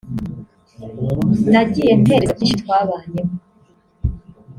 nagiye ntekereza byishi twabanyemo